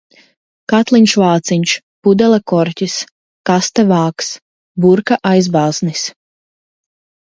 Katliņš, vāciņš. Pudele, korķis. Kaste, vāks. Burka, aizbāznis.